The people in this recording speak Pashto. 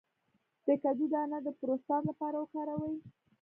د کدو دانه د پروستات لپاره وکاروئ